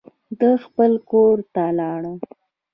ده خپل کور ته لاړ.